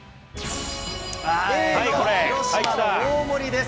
Ａの広島の大盛です。